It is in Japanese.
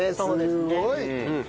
すごい。